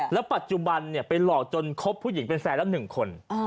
แล้วปัจจุบันไปหลอกจนคบผู้หญิงเป็นแฟนละ๑คน